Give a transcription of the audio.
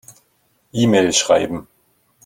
E-Mail schreiben.